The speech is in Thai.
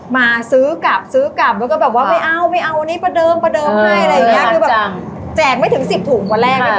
มาซื้อกลับซื้อกลับก็ก็ไม่เอาในประเดิมให้จากนั้นแจกไม่ถึงสิบถุง